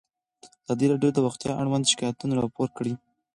ازادي راډیو د روغتیا اړوند شکایتونه راپور کړي.